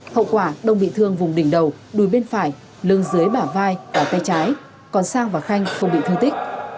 hậu quả đông bị thương vùng đỉnh đầu đùi bên phải lưng dưới bả vai và tay trái còn sang và khanh không bị thương tích